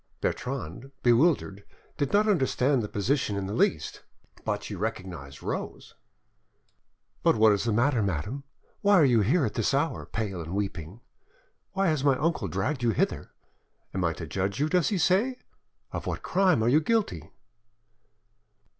Bertrande, bewildered, did not understand the position in the least, but she recognised Rose— "But what is the matter, madame? Why are you here at this hour, pale and weeping? Why has my uncle dragged you hither? I am to judge you, does he say? Of what crime are you guilty?"